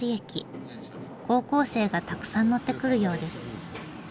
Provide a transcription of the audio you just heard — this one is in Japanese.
高校生がたくさん乗ってくるようです。